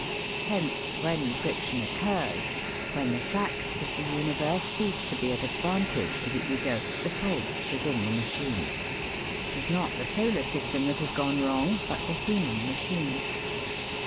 Hence, when friction occurs, when the facts of the universe cease to be of advantage to the Ego, the fault is in the machine. It is not the solar system that has gone wrong, but the human machine.